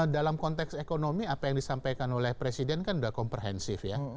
dalam konteks ekonomi apa yang disampaikan oleh presiden kan sudah komprehensif ya